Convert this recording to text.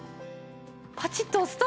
パチッと押すと。